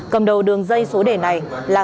cầm đầu đường dây số đề này là